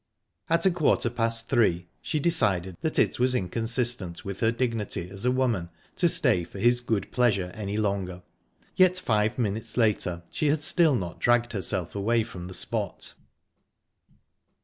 At a quarter past three she decided that it was inconsistent with her dignity as a woman to stay for his good pleasure any longer...yet five minutes later she had still not dragged herself away from the spot...